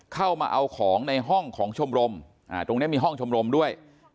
เข้ามาเอาของในห้องของชมรมตรงนี้มีห้องชมรมด้วย